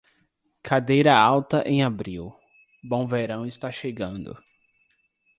Cadeira alta em abril: bom verão está chegando.